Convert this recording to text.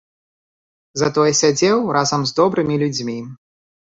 Затое сядзеў разам з добрымі людзьмі.